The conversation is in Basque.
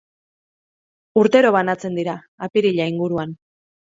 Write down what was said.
Urtero banatzen dira, apirila inguruan.